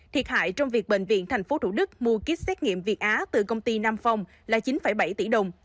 thiệt hại trong việc bệnh viện tp thủ đức mua kýt xét nghiệm việt á từ công ty nam phong là chín bảy tỷ đồng